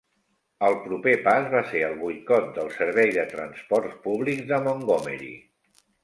El proper pas va ser el boicot del servei de transports públics de Montgomery.